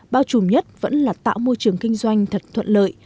bao trùm nhất vẫn là tạo môi trường kinh doanh thật thuận lợi